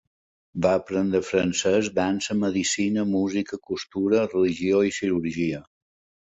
Va aprendre francès, dansa, medicina, música, costura, religió i cirurgia.